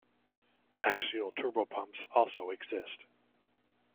Axial turbopumps also exist.